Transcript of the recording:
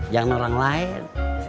jangan orang lain